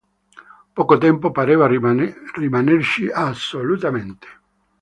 Poco tempo pareva rimanerci assolutamente.